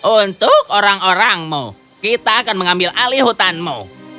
untuk orang orangmu kita akan mengambil alih hutanmu